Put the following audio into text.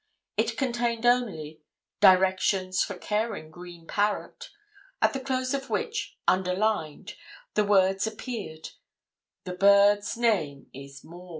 It contained only 'Directions for caring green parrot,' at the close of which, underlined, the words appeared 'The bird's name is Maud.'